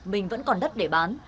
mình vẫn còn đất để bán